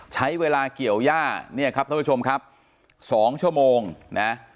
ใช้เวลาเกี่ยวย่านี่ครับท่านผู้ชมครับ๒ชมนะ